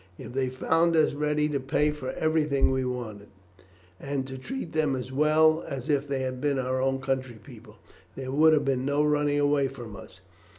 If they had found us ready to pay for everything we wanted, and to treat them as well as if they had been our own country people, there would have been no running away from us.